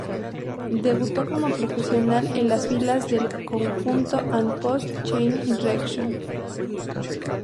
Debutó como profesional en las filas del conjunto An Post-ChainReaction.